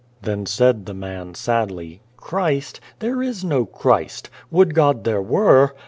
Then said the man sadly, "Christ! There is no Christ. Would God there were